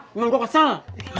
memang gue kesel